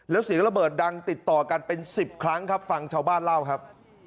แล้วเสียงระเบิดดังติดต่อกันเป็น๑๐ครั้งครับฟังชาวบ้านเล่าครับ